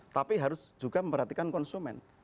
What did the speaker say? tapi harus juga memperhatikan konsumen